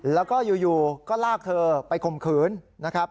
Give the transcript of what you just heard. และก็อยู่ก็ลากเธอไปคมขืน